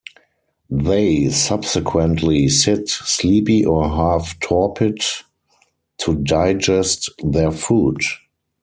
They subsequently sit, sleepy or half torpid, to digest their food.